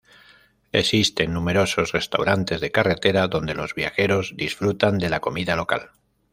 Existen numerosos restaurantes de carretera donde los viajeros disfrutan de la comida local.